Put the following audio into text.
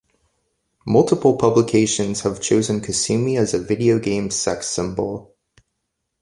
Multiple publications have chosen Kasumi as a video game sex symbol.